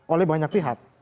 oleh banyak pihak